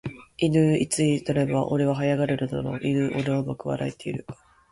いぬーいつになれば俺は這い上がれるだろういぬー俺はうまく笑えているか